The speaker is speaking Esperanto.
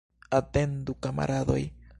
Atendu, kamaradoj!